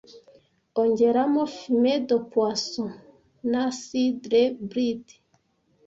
ongeramo fumet de poisson na cidre brut